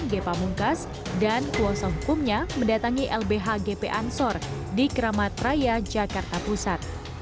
gepa mungkas dan kuasa hukumnya mendatangi lbhgp ansor di keramat raya jakarta pusat